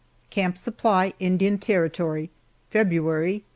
CAMP SUPPLY, INDIAN TERRITORY, February, 1873.